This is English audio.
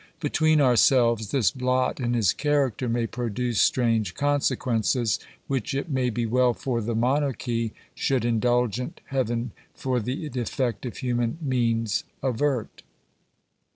Between our selves, this blot in his character may produce strange consequences, which it may be well for the monarchy should indulgent heaven for the defect of human means avert